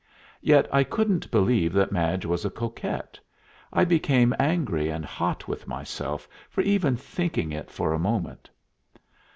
Yet I couldn't believe that Madge was a coquette; I became angry and hot with myself for even thinking it for a moment.